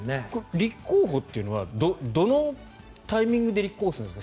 立候補っていうのはどのタイミングで立候補するんですか？